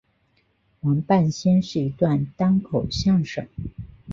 黄半仙是一段单口相声。